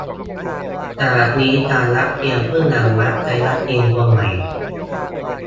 ขณะนี้ทางรัสเซียเพิ่งอนุมัติใช้วัคซีนตัวใหม่